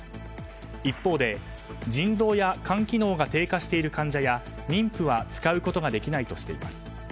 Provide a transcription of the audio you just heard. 一方で、腎臓や肝機能が低下している患者や妊婦は使うことができないとしています。